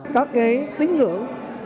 có cái tính hưởng